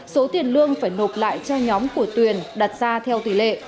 số tiền lương phải nộp lại cho nhóm của tuyền đặt ra theo tỷ lệ